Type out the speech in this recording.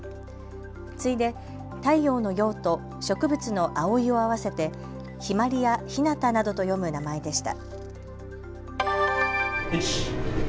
次いで太陽の陽と植物の葵を合わせてひまりやひなたなどと読む名前でした。